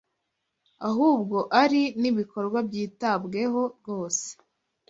ahubwo ari n’ibikorwa byitabweho rwose